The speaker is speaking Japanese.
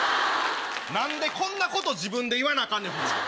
何でこんなこと自分で言わなアカンねん！